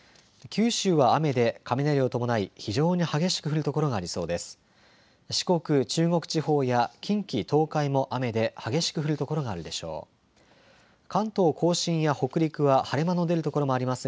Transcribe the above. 九州は雨で雷を伴い非常に激しく降る所がありそうです。